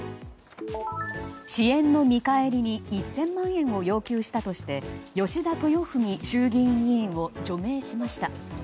支援の見返りに１０００万円を要求したとして吉田豊史衆議院議員を除名しました。